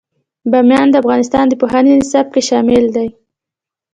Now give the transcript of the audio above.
بامیان د افغانستان د پوهنې نصاب کې شامل دي.